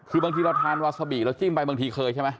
คือบางทีเราทานวาซาบีเราจิ้มไปบางทีเคยใช่ไหม